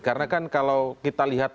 karena kan kalau kita lihat